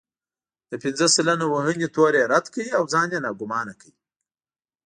د پنځه سلنه وهنې تور يې رد کړ او ځان يې ناګومانه کړ.